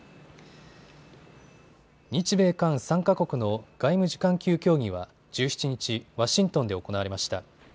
日米韓３か国の外務次官級協議は１７日、ワシントンで行われました。